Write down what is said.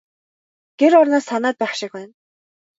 Гэр орноо санаад байх шиг байна.